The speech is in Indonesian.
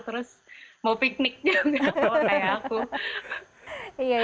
terus mau piknik juga nggak apa kayak aku